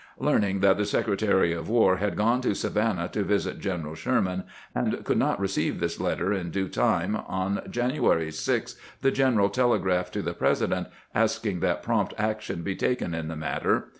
Learning that the Secretary of War had gone to Savannah to visit General Sherman, and could not receive this letter in due time, on January 6 the general telegraphed to the President, asking that prompt action be taken in the matter.